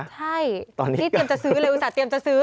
ใช่ที่เตรียมจะซื้อเลยอุตส่าห์เตรียมจะซื้อ